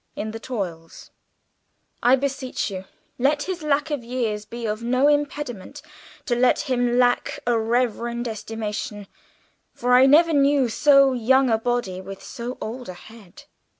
3. In the Toils "I beseech you let his lack of years be no impediment to let him lack a reverend estimation, for I never knew so young a body with so old a head."